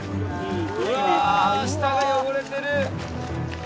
うわ下が汚れてる。